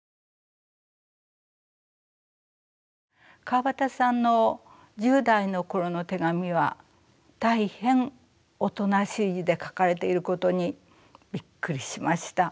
川端さんの１０代の頃の手紙は大変おとなしい字で書かれていることにびっくりしました。